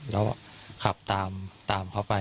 แล้วขับตามเขาไป